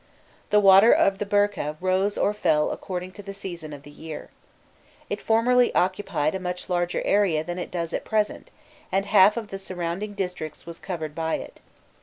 The water of the Birkeh rose or fell according to the season of the year. It formerly occupied a much larger area than it does at present, and half of the surrounding districts was covered by it.